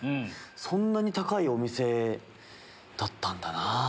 そんなに高いお店だったんだなぁ。